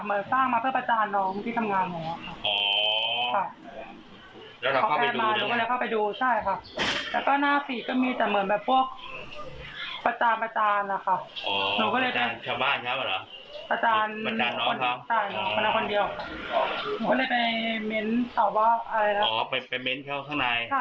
อ๋อก็คือเฟซบอร์มเหรอเป็นหน้าน้องที่ทำงานเหมือนกันค่ะเหมือนสร้างมาเพื่อประจานน้องที่ทำงานเหมือนกันค่ะ